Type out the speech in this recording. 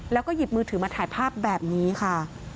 แล้วก็หยิบมือถือมาถ่ายภาพแบบนี้ค่ะ